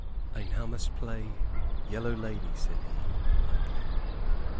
"I now must play Yellow Lady," said he, lightly.